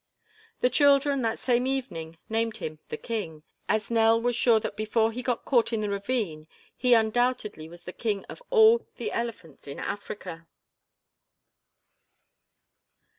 The children that same evening named him "The King," as Nell was sure that before he got caught in the ravine he undoubtedly was the king of all the elephants in Africa.